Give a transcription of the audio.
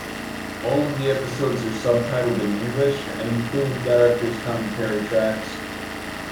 All of the episodes are subtitled in English and include director's commentary tracks.